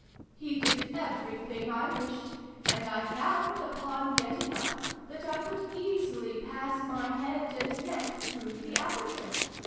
He did every thing I wished, and I found, upon getting up, that I could easily pass my head and neck through the aperture.